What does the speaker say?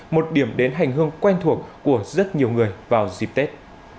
một điểm đến hành hương quen thuộc của rất nhiều người vào dịp tết